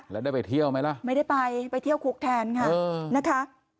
แล้วได้ไปเที่ยวไหมล่ะไม่ได้ไปไปเที่ยวคุกแทนค่ะนะคะ